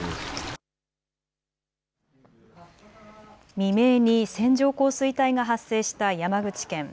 未明に線状降水帯が発生した山口県。